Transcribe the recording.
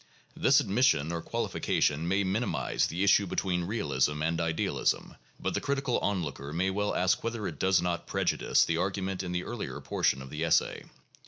This admission or qualification may mini mize the issue between realism and "idealism"; but the critical on looker may well ask whether it does not prejudice the argument in the earlier portion of the essay.